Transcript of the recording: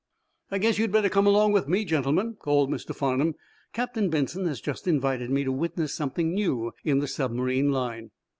"I guess you'd better come along with me, gentlemen," called Mr. Farnum. "Captain Benson has just invited me to witness something new in the submarine line."